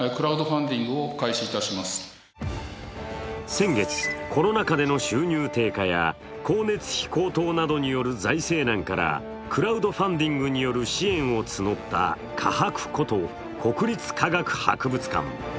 先月、コロナ禍での収入低下や光熱費高騰などの財政難からクラウドファンディングによる支援を募った科博こと国立科学博物館。